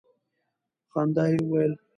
په خندا یې ویل.